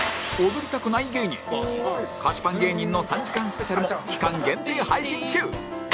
踊りたくない芸人菓子パン芸人の３時間スペシャルも期間限定配信中